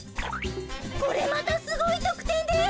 これまたすごいとくてんです。